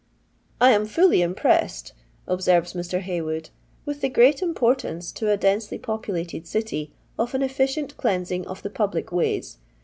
" I am fully impressed," observes Mr. Haywood, with the great importance to a densely popu lated city of an efficient cleansing of the public ways.